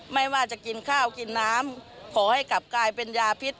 ไม่ว่าจะกินข้าวกินน้ำขอให้กลับกลายเป็นยาพิษ